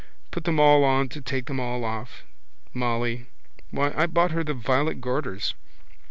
Put them all on to take them all off. Molly. Why I bought her the violet garters.